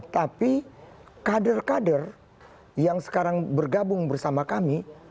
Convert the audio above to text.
tapi kader kader yang sekarang bergabung bersama kami